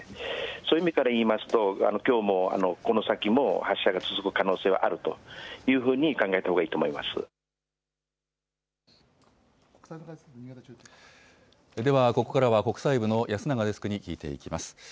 そういう意味からいいますと、きょうも、この先も発射が続く可能性はあるというふうに考えたほうでは、ここからは国際部の安永デスクに聞いていきます。